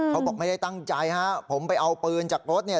เขาบอกไม่ได้ตั้งใจฮะผมไปเอาปืนจากรถเนี่ย